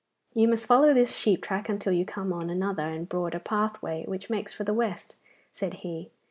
'You must follow this sheep track until you come on another and broader pathway which makes for the West,' said he.